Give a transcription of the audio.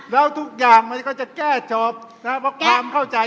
แล้วทุกอย่างมันก็จะแก้จบเพราะความเข้าใจ